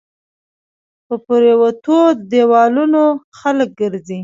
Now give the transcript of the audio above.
په پريوتو ديوالونو خلک ګرځى